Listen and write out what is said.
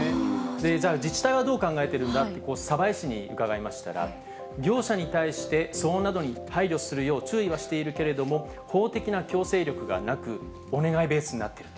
じゃあ、自治体はどう考えてるんだと、鯖江市に伺いましたが、業者に対して、騒音などに配慮するよう注意はしているけれども、法的な強制力がなく、お願いベースになっていると。